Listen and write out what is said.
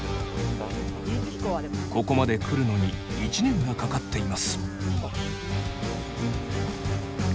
ここまで来るのに１年がかかっています。